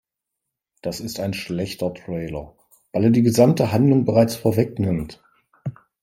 Das ist ein schlechter Trailer, weil er die gesamte Handlung bereits vorwegnimmt.